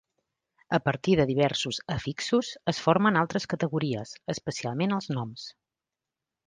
A partir de diversos afixos es formen altres categories, especialment els noms.